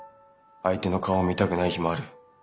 相手の顔を見たくない日もある。